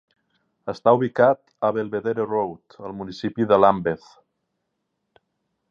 Està ubicat a Belvedere Road, al municipi de Lambeth.